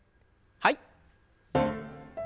はい。